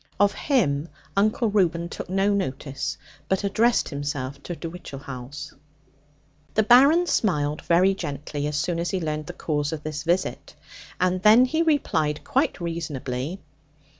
Of him Uncle Reuben took no notice, but addressed himself to De Whichehalse. The Baron smiled very gently, so soon as he learned the cause of this visit, and then he replied quite reasonably.